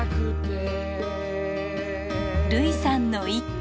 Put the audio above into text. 類さんの一句。